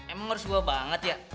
emang harus gue banget ya